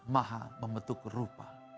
maha memetuk rupa